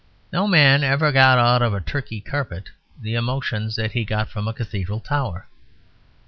No man ever got out of a Turkey carpet the emotions that he got from a cathedral tower.